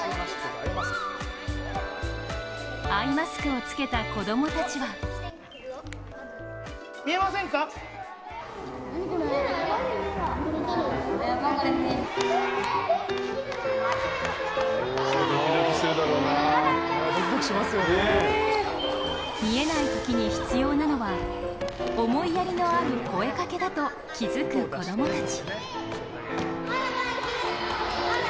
アイマスクを着けた子供たちは見えないときに必要なのは思いやりのある声かけだと気づく子供たち。